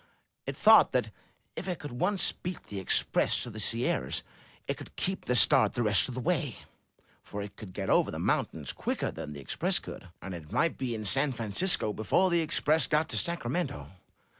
It thought that if it could once beat the Express to 349 M Y BOOK HOUSE the Sierras, it could keep the start the rest of the way, for it could get over the mountains quicker than the Express could, and it might be in San Francisco be fore the Express got to Sacramento.